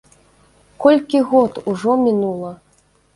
Колькі год ужо мінула.